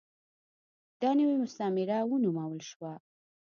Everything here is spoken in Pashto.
دا نوې مستعمره ونومول شوه.